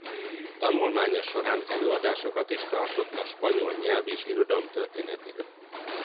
Tanulmánya során előadásokat is tartott a spanyol nyelv és irodalom történetéről.